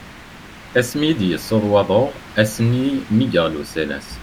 Asmi i d-yessuḍ waḍu, ass-nni mi yeɣli usalas.